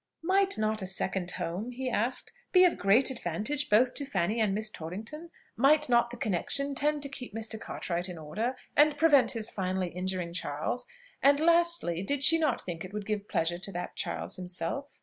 "Might not a second home," he asked, "be of great advantage both to Fanny and Miss Torrington? Might not the connexion tend to keep Mr. Cartwright in order, and prevent his finally injuring Charles? And lastly, did she not think it would give pleasure to that Charles himself?"